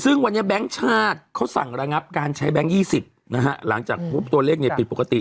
ซึ่งวันนี้แบงค์ชาติเขาสั่งระงับการใช้แบงค์๒๐นะฮะหลังจากปุ๊บตัวเลขเนี่ยผิดปกติ